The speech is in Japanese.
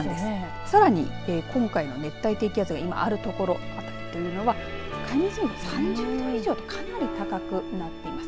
さらに今回の熱帯低気圧があるところというのが海面水温３０度以上とかなり高くなっています。